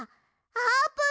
あーぷん！